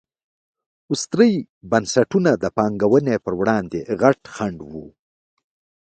استثري بنسټونه د پانګونې پر وړاندې غټ خنډ وو.